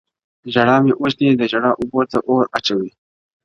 o ژړا مي وژني د ژړا اوبـو تـه اور اچـوي.